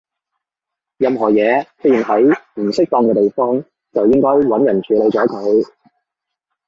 任何嘢出現喺唔適當嘅地方，就應該搵人處理咗佢